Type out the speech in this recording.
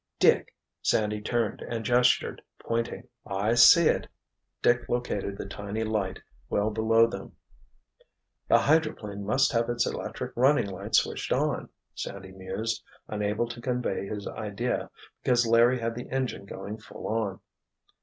"Dick!" Sandy turned and gestured, pointing. "I see it!" Dick located the tiny light well below them. "The hydroplane must have its electric running light switched on," Sandy mused, unable to convey his idea, because Larry had the engine going full on.